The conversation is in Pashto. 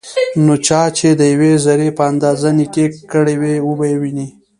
نو چا چې دیوې ذرې په اندازه نيکي کړي وي، وبه يې ويني